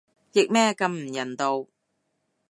譯咩咁唔人道